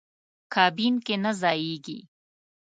کابین کې نه ځایېږي.